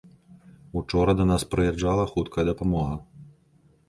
Учора да нас прыязджала хуткая дапамога.